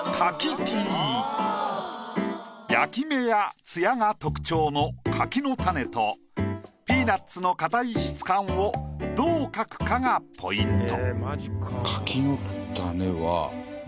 焼き目や艶が特徴の柿の種とピーナッツの硬い質感をどう描くかがポイント。